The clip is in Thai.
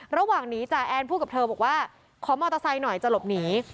ระหว่างนี้จ่าแอนพูดกับเธอบอกว่าขอมอเตอร์ไซค์หน่อยจะหลบหนี